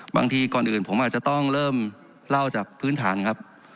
บางทีก่อนอื่นผมอาจจะต้องเริ่มเล่าจากพื้นฐานครับ